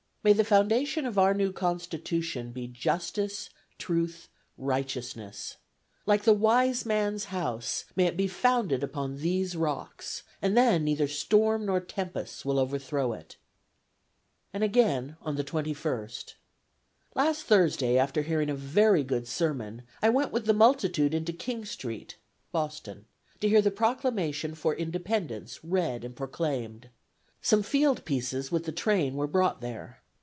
"May the foundation of our new Constitution be Justice, Truth, Righteousness! Like the wise man's house, may it be founded upon these rocks, and then neither storm nor tempests will overthrow it!" And again on the 21st: "Last Thursday, after hearing a very good sermon, I went with the multitude into King Street [Boston] to hear the Proclamation for Independence read and proclaimed. Some field pieces with the train were brought there.